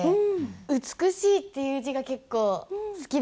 「美しい」っていう字が結構好きですね。